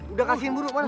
udah kasihin buruk mana